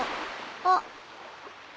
あっ。